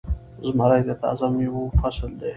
زمری د تازه میوو فصل دی.